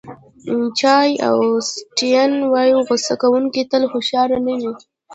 جان اوسټین وایي غوصه کوونکي تل هوښیار نه وي.